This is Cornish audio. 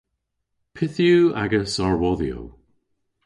Pyth yw agas arwodhyow?